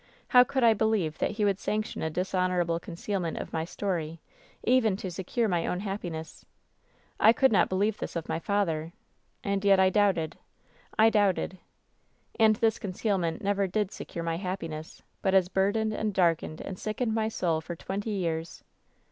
How could I believe that he would sanction a dishonorable concealment of my story, even to secure my own happiness ? "I could not believe this of my father. And yet I doubted — I doubted. And this concealment never did secure my happiness, but has burdened and darkened \ V and sickened my soul for twenty years.